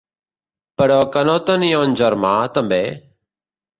Però que no tenia un germà, també?